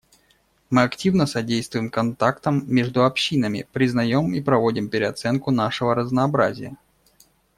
Мы активно содействуем контактам между общинами, признаем и проводим переоценку нашего разнообразия.